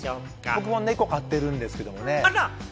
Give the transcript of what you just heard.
僕は猫を飼ってるんですけどね。